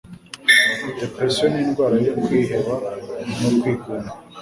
Depression n' indwara yo kwiheba no kwigunga